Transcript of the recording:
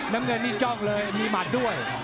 น้ำเงินนี่จ้องเลยมีหมัดด้วย